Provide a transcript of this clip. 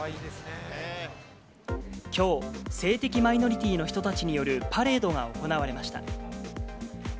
きょう、性的マイノリティの人たちによるパレードが行われました。